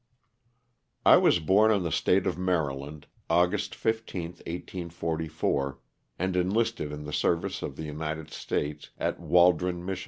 T WAS born in the State of Maryland, August 15, 1 844, and enlisted in the service of the United States at Waldron, Mich.